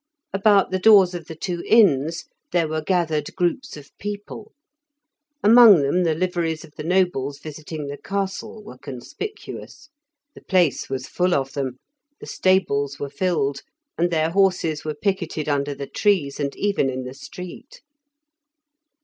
About the doors of the two inns there were gathered groups of people; among them the liveries of the nobles visiting the castle were conspicuous; the place was full of them, the stables were filled, and their horses were picketed under the trees and even in the street.